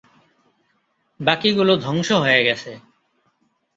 বাকিগুলো ধ্বংস হয়ে গেছে।